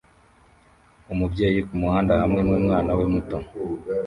Umubyeyi kumuhanda hamwe numwana we muto